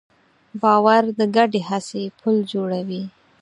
باور د ګډې هڅې پُل جوړوي.